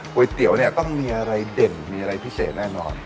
เตี๋ยวเนี่ยต้องมีอะไรเด่นมีอะไรพิเศษแน่นอน